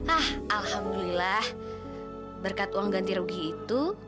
ah alhamdulillah berkat uang ganti rugi itu